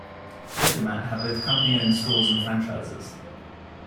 Fotomat had both company-owned stores and franchises.